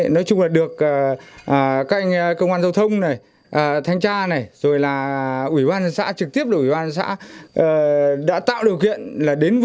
nếu mà có thể